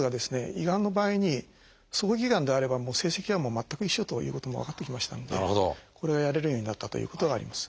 胃がんの場合に早期がんであれば成績は全く一緒ということも分かってきましたのでこれがやれるようになったということがあります。